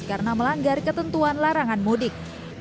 karena melanggar ketentuan larangan mudik